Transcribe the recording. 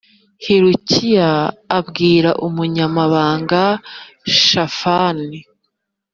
Hilukiya abwira umunyamabanga Shafani.